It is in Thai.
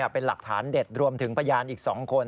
เป็นหลักฐานเด็ดรวมถึงพยานอีก๒คน